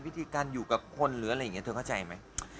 วิธีการอยู่กับคนหรืออะไรเงี้ยเธอเข้าใจมั้ย